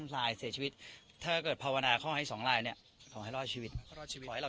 ลายเสียชีวิตถ้าเกิดภาวนาข้อให้สองลายเนี่ยขอให้รอดชีวิตขอให้เรา